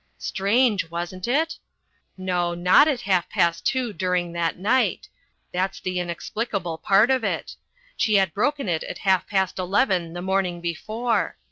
Strange, wasn't it? No, not at half past two during that night that's the inexplicable part of it. She had broken it at half past eleven the morning before.